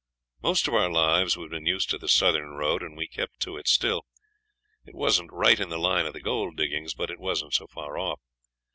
Most of our lives we'd been used to the southern road, and we kept to it still. It wasn't right in the line of the gold diggings, but it wasn't so far off.